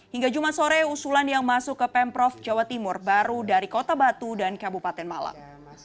hingga jumat sore usulan yang masuk ke pemprov jawa timur baru dari kota batu dan kabupaten malang